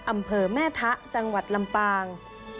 อำเภอแม่ทะจังหวัดลำปาง